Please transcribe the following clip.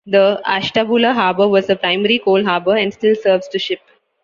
The Ashtabula Harbor was a primary coal harbor and still serves to ship.